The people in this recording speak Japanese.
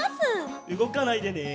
うごかないでね。